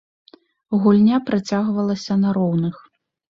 Гульня працягвалася на роўных.